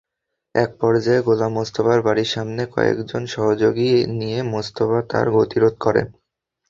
একপর্যায়ে গোলাম মোস্তফার বাড়ির সামনে কয়েকজন সহযোগী নিয়ে মোস্তফা তার গতিরোধ করে।